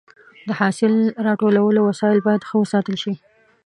د حاصل راټولولو وسایل باید ښه وساتل شي.